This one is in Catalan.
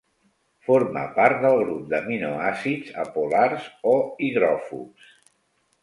Forma part del grup d’aminoàcids apolars o hidròfobs.